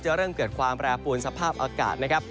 เริ่มเกิดความแปรปวนสภาพอากาศนะครับ